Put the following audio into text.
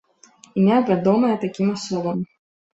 Імя вядомае такім асобам.